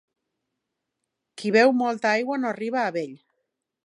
Qui beu molta aigua no arriba a vell.